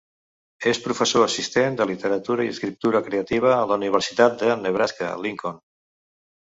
És professor assistent de literatura i escriptura creativa a la Universitat de Nebraska–Lincoln.